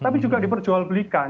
tapi juga diperjualbelikan